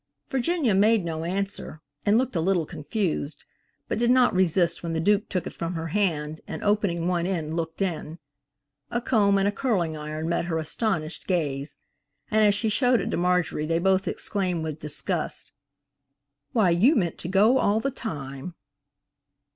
Virginia made no answer and looked a little confused, but did not resist when the Duke took it from her hand, and opening one end looked in. A comb and a curling iron met her astonished gaze, and as she showed it to Marjorie, they both exclaimed with disgust, "Why, you meant to go all the time."